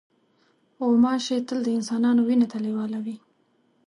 غوماشې تل د انسان وینې ته لیواله وي.